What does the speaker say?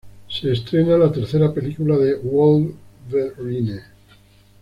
Se estrena la tercera película de Wolverine.